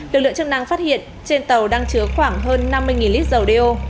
lực lượng chức năng phát hiện trên tàu đang chứa khoảng hơn năm mươi lít dầu đeo